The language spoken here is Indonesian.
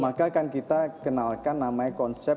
maka akan kita kenalkan namanya konsep